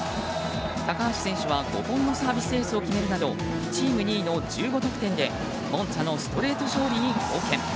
高橋選手は、５本のサービスエースを決めるなどチーム２位の１５得点でモンツァのストレート勝利に貢献。